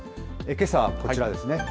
けさはこちらですね。